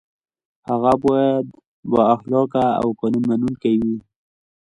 هغه باید با اخلاقه او قانون منونکی وي.